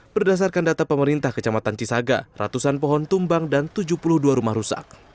berdasarkan data pemerintah kecamatan cisaga ratusan pohon tumbang dan tujuh puluh dua rumah rusak